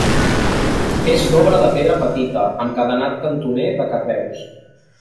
És d'obra de pedra petita, amb cadenat cantoner de carreus.